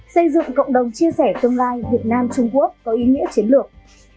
xây dựng cộng đồng chia sẻ tương lai việt nam trung quốc có ý nghĩa chiến lược